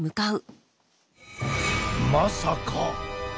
まさか。